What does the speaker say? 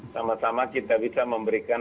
sama sama kita bisa memberikan